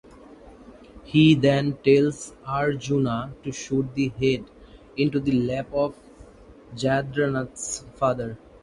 He then tells Arjuna to shoot the head into the lap of Jayadratha's father.